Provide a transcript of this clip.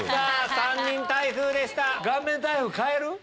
３人台風でした。